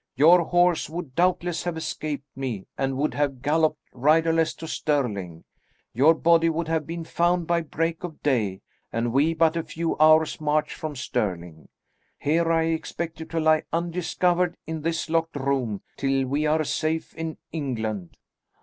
Your horse would doubtless have escaped me, and would have galloped riderless to Stirling; your body would have been found by break of day, and we but a few hours' march from Stirling. Here I expect you to lie undiscovered in this locked room till we are safe in England."